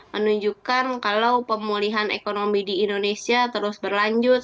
menunjukkan kalau pemulihan ekonomi di indonesia terus berlanjut